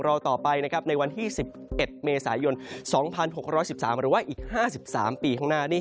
รอต่อไปนะครับในวันที่๑๑เมษายน๒๖๑๓หรือว่าอีก๕๓ปีข้างหน้านี้